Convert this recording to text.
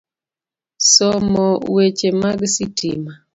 Somo weche mag sitima,